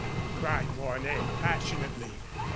cried Mornay, passionately.